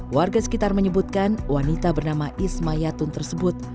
warga sekitar menyebutkan wanita bernama isma yatun tersebut